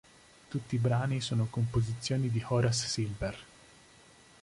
Tutti brani sono composizioni di Horace Silver.